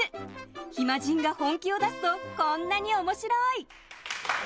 暇人が本気を出すとこんなに面白い！